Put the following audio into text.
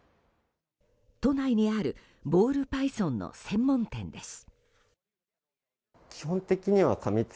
都内にあるボールパイソンの専門店です。